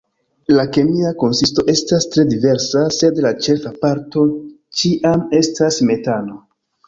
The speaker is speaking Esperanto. La kemia konsisto estas tre diversa, sed la ĉefa parto ĉiam estas metano.